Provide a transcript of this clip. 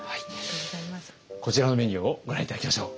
こちらのメニューをご覧頂きましょう。